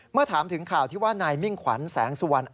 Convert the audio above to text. เมื่อถามถึงข่าวที่ว่านายมิ่งขวัญแสงสุวรรณ